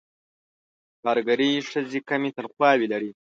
کارګرې ښځې کمې تنخواوې لري.